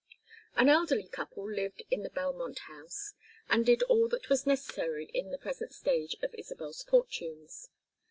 An elderly couple lived in the "Belmont House" and did all that was necessary in the present stage of Isabel's fortunes.